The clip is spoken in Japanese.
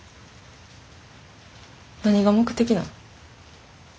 何が目的なん？